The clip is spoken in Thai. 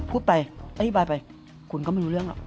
พูดไปอธิบายไปคุณก็ไม่รู้เรื่องหรอก